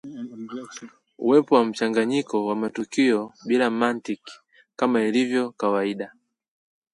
Uwepo wa mchanganyiko wa matukio bila mantiki kama ilivyo kawaida